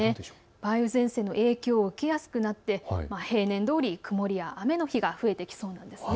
梅雨前線の影響を受けやすくなって平年どおり曇りや雨の日が増えてきそうです。